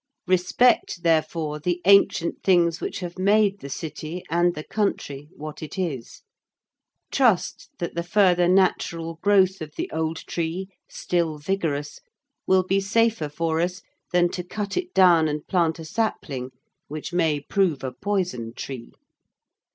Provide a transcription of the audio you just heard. Respect, therefore, the ancient things which have made the City and the country what it is. Trust that the further natural growth of the old tree still vigorous will be safer for us than to cut it down and plant a sapling, which may prove a poison tree.